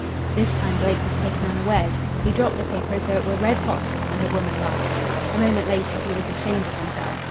This time Blake was taken unawares. He dropped the paper as though it were red hot, and the woman laughed. A moment later he was ashamed of himself.